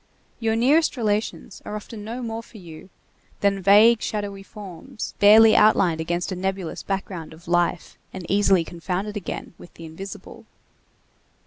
Your nearest relations are often no more for you than vague shadowy forms, barely outlined against a nebulous background of life and easily confounded again with the invisible.